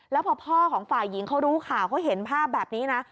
แล้วพอพ่อของฝ่ายหญิงเขารู้ข่าวเขาเห็นภาพแบบนี้นะ